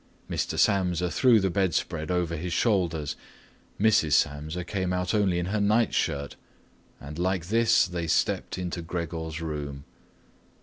Mr. Samsa threw the bedspread over his shoulders, Mrs. Samsa came out only in her night shirt, and like this they stepped into Gregor's room.